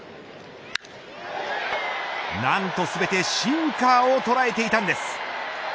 何と全てシンカーを捉えていたんです。